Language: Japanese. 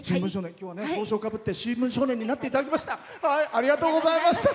きょうは帽子をかぶって「新聞少年」になっていただきました。